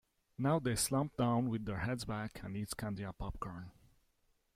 Now they slump down, with their heads back, and eat candy and popcorn.